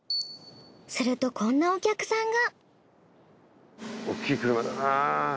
するとこんなお客さんが。